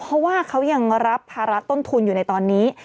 เพราะว่าเขายังรับภาระต้นทุนอยู่ในตอนนี้